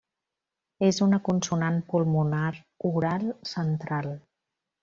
És una consonant pulmonar oral central.